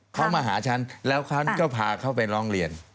เขามาหาฉันแล้วเขาก็พาเขาไปร้องเรียน